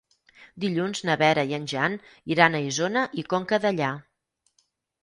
Dilluns na Vera i en Jan iran a Isona i Conca Dellà.